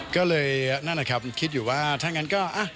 ก็เลยนั่นแหละครับคิดอยู่ว่าถ้างั้นก็